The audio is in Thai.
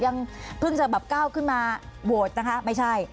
ยังเพิ่งจะแบบก้าวขึ้นมาโหวตนะคะไม่ใช่